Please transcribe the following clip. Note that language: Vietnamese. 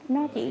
nó chỉ khó